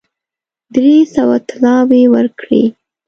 درې سوه طلاوي ورکړې.